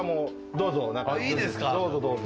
どうぞ、どうぞ。